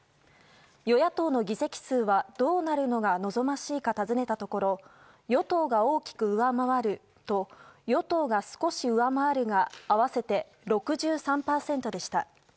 与野党の議席数はどうなるのが望ましいか尋ねたところ与党が大きく上回ると与党が少し上回るが合わせて６６％でした。